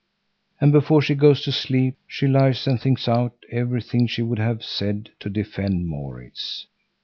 And before she goes to sleep, she lies and thinks out everything she would have said to defend Maurits.